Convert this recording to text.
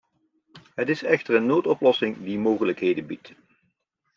Het is echter een noodoplossing die mogelijkheden biedt.